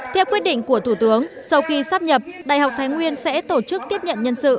theo quyết định của thủ tướng sau khi sắp nhập đại học thái nguyên sẽ tổ chức tiếp nhận nhân sự